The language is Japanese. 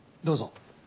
どうぞ。